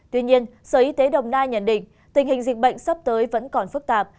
tuy nhiên sở y tế đồng nai nhận định tình hình dịch bệnh sắp tới vẫn còn phức tạp